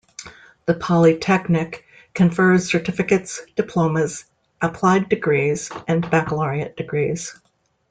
The polytechnic confers certificates, diplomas, applied degrees and baccalaureate degrees.